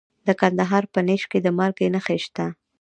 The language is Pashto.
د کندهار په نیش کې د مالګې نښې شته.